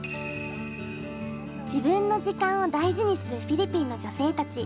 自分の時間を大事にするフィリピンの女性たち。